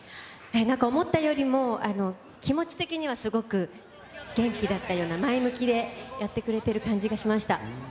なんか思ったよりも気持ち的にはすごく元気だったような、前向きでやってくれてる感じがし